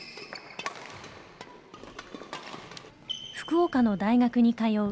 福岡の大学に通う